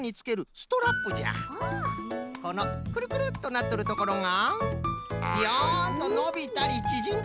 このクルクルッとなっとるところがビヨンとのびたりちぢんだりするんじゃよ。